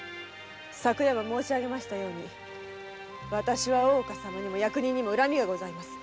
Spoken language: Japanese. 昨夜も申しあげましたようにわたしは大岡様にも役人にも恨みがあります。